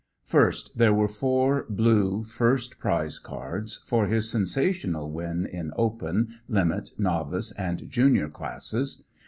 First, there were four blue first prize cards, for his sensational win in Open, Limit, Novice, and Junior classes.